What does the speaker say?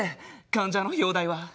患者の容体は？